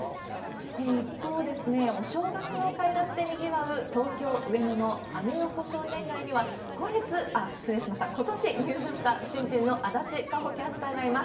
一方、お正月の買い出しでにぎわう東京・上野のアメ横商店街には、ことし入社した新人の足立夏保キャスターがいます。